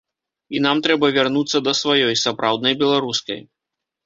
І нам трэба вярнуцца да сваёй, сапраўднай беларускай.